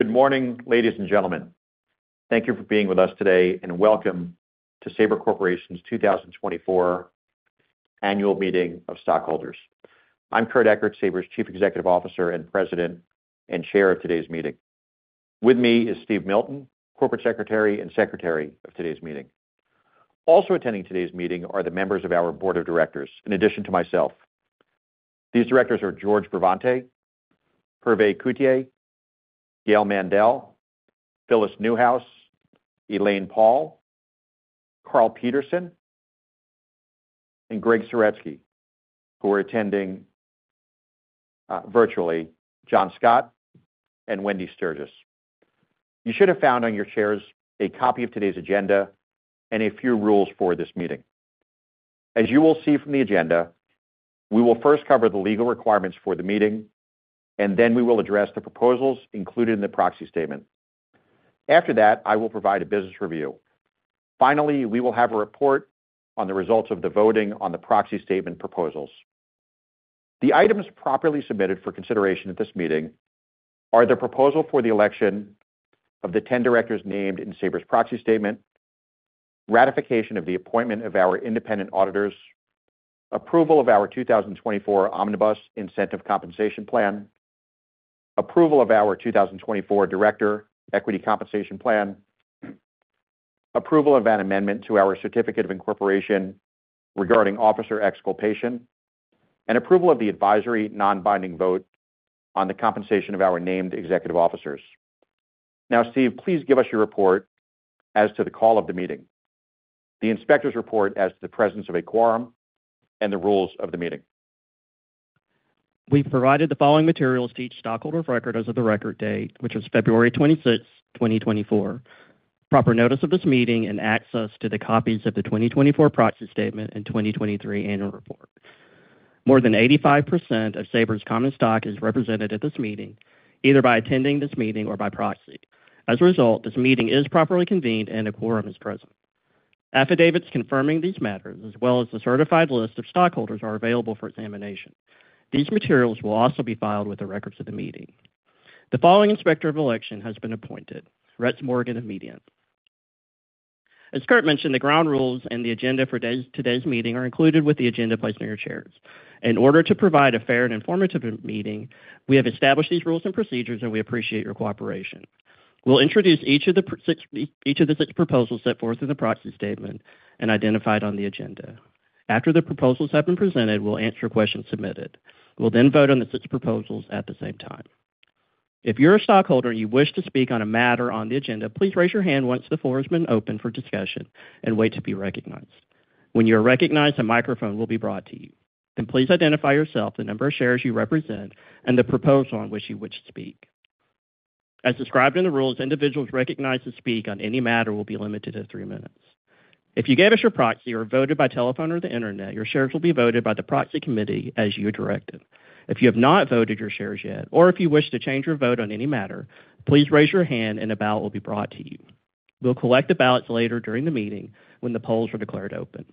Good morning, ladies and gentlemen. Thank you for being with us today, and welcome to Sabre Corporation's 2024 annual meeting of stockholders. I'm Kurt Ekert, Sabre's Chief Executive Officer and President and Chair of today's meeting. With me is Steve Milton, Corporate Secretary and Secretary of today's meeting. Also attending today's meeting are the members of our Board of Directors, in addition to myself. These directors are George Bravante Jr., Hervé Couturier, Gail Mandel, Phyllis Newhouse, Elaine Paul, Karl Peterson, and Gregg Saretsky, who are attending virtually: John Scott and Wendi Sturgis. You should have found on your chairs a copy of today's agenda and a few rules for this meeting. As you will see from the agenda, we will first cover the legal requirements for the meeting, and then we will address the proposals included in the proxy statement. After that, I will provide a business review. Finally, we will have a report on the results of the voting on the proxy statement proposals. The items properly submitted for consideration at this meeting are the proposal for the election of the 10 directors named in Sabre's proxy statement, ratification of the appointment of our independent auditors, approval of our 2024 Omnibus Incentive Compensation Plan, approval of our 2024 Director Equity Compensation Plan, approval of an amendment to our certificate of incorporation regarding officer exculpation, and approval of the advisory non-binding vote on the compensation of our named executive officers. Now, Steve, please give us your report as to the call of the meeting, the inspector's report as to the presence of a quorum, and the rules of the meeting. We provided the following materials to each stockholder for record as of the record date, which is February 26th, 2024: proper notice of this meeting and access to the copies of the 2024 proxy statement and 2023 annual report. More than 85% of Sabre's common stock is represented at this meeting, either by attending this meeting or by proxy. As a result, this meeting is properly convened and a quorum is present. Affidavits confirming these matters, as well as the certified list of stockholders, are available for examination. These materials will also be filed with the records of the meeting. The following inspector of election has been appointed: Rhett Morgan, of Mediant. As Kurt mentioned, the ground rules and the agenda for today's meeting are included with the agenda placed on your chairs. In order to provide a fair and informative meeting, we have established these rules and procedures, and we appreciate your cooperation. We'll introduce each of the six proposals set forth in the proxy statement and identified on the agenda. After the proposals have been presented, we'll answer questions submitted. We'll then vote on the six proposals at the same time. If you're a stockholder and you wish to speak on a matter on the agenda, please raise your hand once the floor has been open for discussion and wait to be recognized. When you are recognized, a microphone will be brought to you. Then please identify yourself, the number of shares you represent, and the proposal on which you wish to speak. As described in the rules, individuals recognized to speak on any matter will be limited to three minutes. If you gave us your proxy or voted by telephone or the internet, your shares will be voted by the proxy committee as you are directed. If you have not voted your shares yet, or if you wish to change your vote on any matter, please raise your hand and a ballot will be brought to you. We'll collect the ballots later during the meeting when the polls are declared open.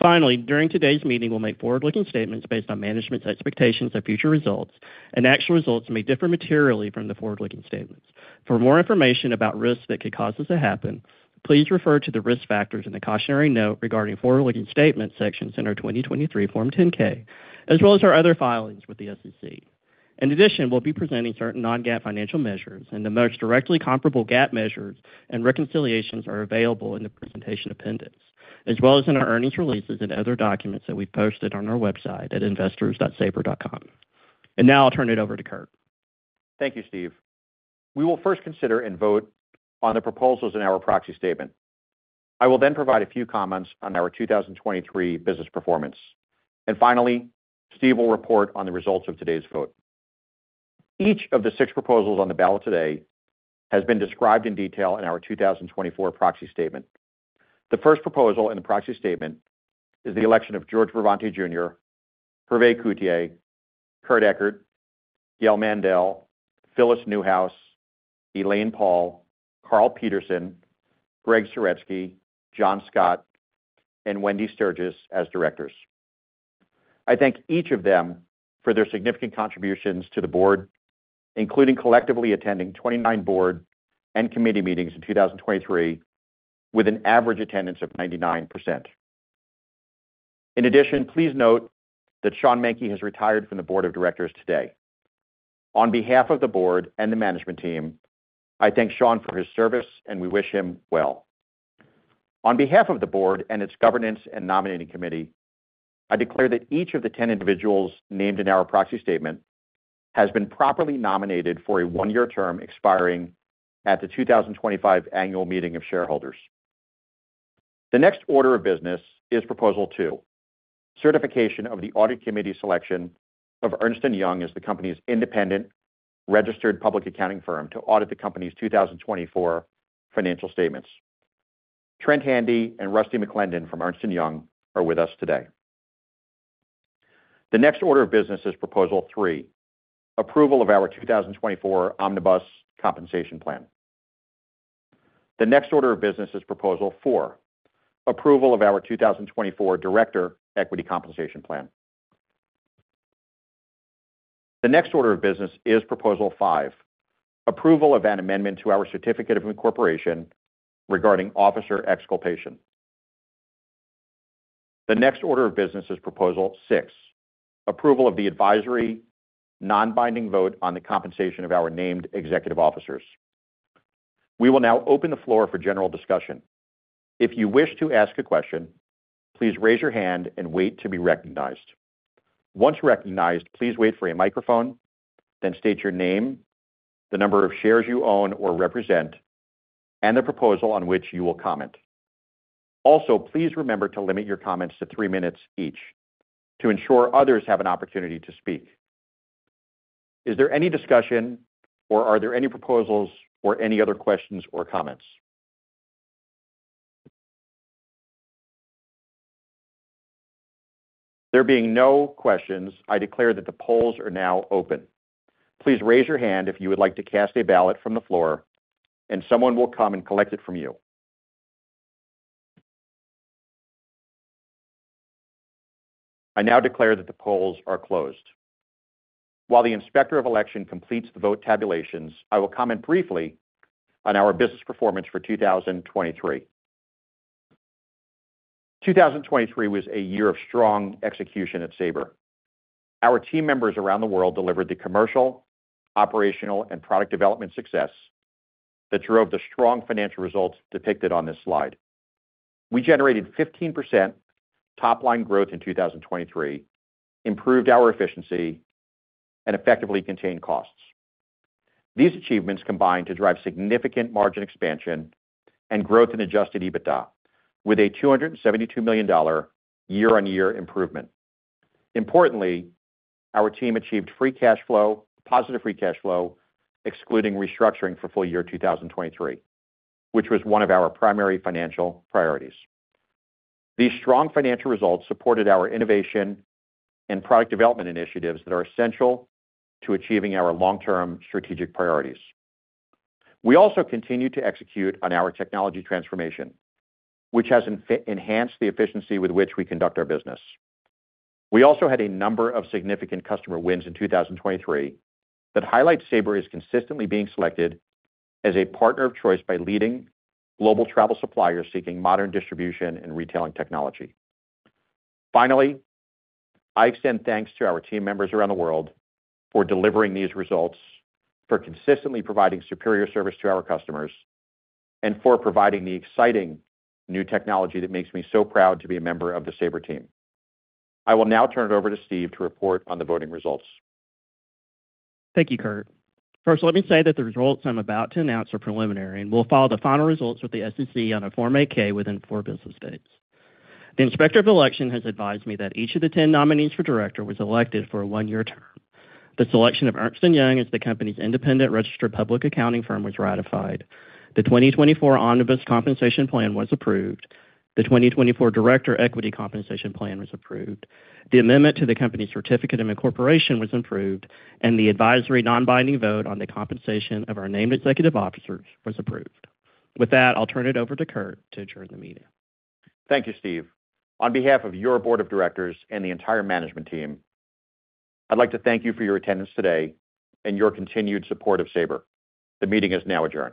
Finally, during today's meeting, we'll make forward-looking statements based on management's expectations of future results, and actual results may differ materially from the forward-looking statements. For more information about risks that could cause this to happen, please refer to the risk factors in the cautionary note regarding forward-looking statements sections in our 2023 Form 10-K, as well as our other filings with the SEC. In addition, we'll be presenting certain non-GAAP financial measures, and the most directly comparable GAAP measures and reconciliations are available in the presentation appendix, as well as in our earnings releases and other documents that we've posted on our website at investors.sabre.com. Now I'll turn it over to Kurt. Thank you, Steve. We will first consider and vote on the proposals in our proxy statement. I will then provide a few comments on our 2023 business performance. Finally, Steve will report on the results of today's vote. Each of the six proposals on the ballot today has been described in detail in our 2024 proxy statement. The first proposal in the proxy statement is the election of George Bravante Jr., Hervé Couturier, Kurt Ekert, Gail Mandel, Phyllis Newhouse, Elaine Paul, Karl Peterson, Gregg Saretsky, John Scott, and Wendi Sturgis as directors. I thank each of them for their significant contributions to the board, including collectively attending 29 board and committee meetings in 2023 with an average attendance of 99%. In addition, please note that Sean Menke has retired from the board of directors today. On behalf of the board and the management team, I thank Sean for his service, and we wish him well. On behalf of the board and its governance and nominating committee, I declare that each of the 10 individuals named in our proxy statement has been properly nominated for a one-year term expiring at the 2025 annual meeting of shareholders. The next order of business is Proposal two: certification of the audit committee selection of Ernst & Young as the company's independent registered public accounting firm to audit the company's 2024 financial statements. Trent Handy and Rusty McLendon from Ernst & Young are with us today. The next order of business is Proposal three: approval of our 2024 Omnibus Compensation Plan. The next order of business is Proposal four: approval of our 2024 director equity compensation plan. The next order of business is Proposal Five: approval of an amendment to our certificate of incorporation regarding officer exculpation. The next order of business is Proposal Six: approval of the advisory non-binding vote on the compensation of our named executive officers. We will now open the floor for general discussion. If you wish to ask a question, please raise your hand and wait to be recognized. Once recognized, please wait for a microphone, then state your name, the number of shares you own or represent, and the proposal on which you will comment. Also, please remember to limit your comments to three minutes each to ensure others have an opportunity to speak. Is there any discussion, or are there any proposals or any other questions or comments? There being no questions, I declare that the polls are now open. Please raise your hand if you would like to cast a ballot from the floor, and someone will come and collect it from you. I now declare that the polls are closed. While the inspector of election completes the vote tabulations, I will comment briefly on our business performance for 2023. 2023 was a year of strong execution at Sabre. Our team members around the world delivered the commercial, operational, and product development success that drove the strong financial results depicted on this slide. We generated 15% top-line growth in 2023, improved our efficiency, and effectively contained costs. These achievements combined to drive significant margin expansion and growth in Adjusted EBITDA, with a $272 million year-on-year improvement. Importantly, our team achieved free cash flow, positive free cash flow, excluding restructuring for full year 2023, which was one of our primary financial priorities. These strong financial results supported our innovation and product development initiatives that are essential to achieving our long-term strategic priorities. We also continue to execute on our technology transformation, which has enhanced the efficiency with which we conduct our business. We also had a number of significant customer wins in 2023 that highlight Sabre as consistently being selected as a partner of choice by leading global travel suppliers seeking modern distribution and retailing technology. Finally, I extend thanks to our team members around the world for delivering these results, for consistently providing superior service to our customers, and for providing the exciting new technology that makes me so proud to be a member of the Sabre team. I will now turn it over to Steve to report on the voting results. Thank you, Kurt. First, let me say that the results I'm about to announce are preliminary, and we'll follow the final results with the SEC on a Form 8-K within four business days. The inspector of election has advised me that each of the 10 nominees for director was elected for a one-year term. The selection of Ernst & Young as the company's independent registered public accounting firm was ratified. The 2024 Omnibus Compensation Plan was approved. The 2024 director equity compensation plan was approved. The amendment to the company's certificate of incorporation was approved, and the advisory non-binding vote on the compensation of our named executive officers was approved. With that, I'll turn it over to Kurt to adjourn the meeting. Thank you, Steve. On behalf of your board of directors and the entire management team, I'd like to thank you for your attendance today and your continued support of Sabre. The meeting is now adjourned.